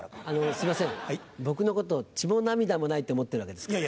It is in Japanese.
すいません僕のこと血も涙もないって思ってるわけですか？